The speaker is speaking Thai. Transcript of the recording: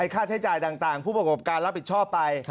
ค่าใช้จ่ายต่างผู้ประกอบการรับผิดชอบไป